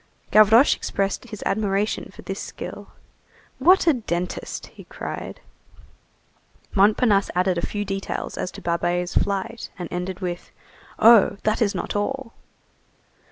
Gavroche expressed his admiration for this skill. "What a dentist!" he cried. Montparnasse added a few details as to Babet's flight, and ended with:— "Oh! That's not all."